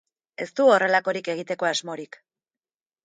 Ez du horrelakorik egiteko asmorik.